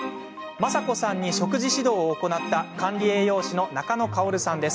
まさこさんに食事指導を行った管理栄養士の中野かおるさんです。